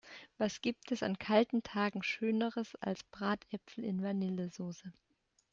Was gibt es an kalten Tagen schöneres als Bratäpfel in Vanillesoße!